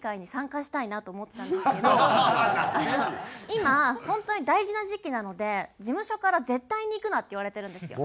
今本当に大事な時期なので事務所から絶対に行くなって言われてるんですよ。